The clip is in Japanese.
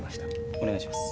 お願いします。